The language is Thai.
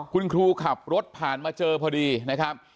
คุณครูขับรถผ่านมาเจอพอดีนะครับ